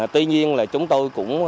tuy nhiên là chúng tôi cũng